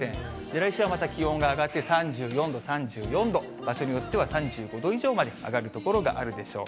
来週はまた気温が上がって、３４度、３４度、場所によっては３５度以上まで上がる所があるでしょう。